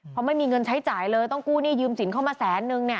เพราะไม่มีเงินใช้จ่ายเลยต้องกู้หนี้ยืมสินเข้ามาแสนนึงเนี่ย